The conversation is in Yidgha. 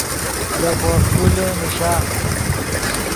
دے پوݰکولے نیشا